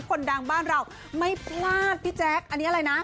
คนดังบ้านเราไม่พลาดพี่แจ๊คอันนี้อะไรนะ